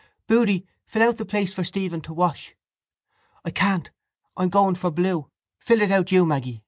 —Boody, fill out the place for Stephen to wash. —I can't, I'm going for blue. Fill it out, you, Maggy.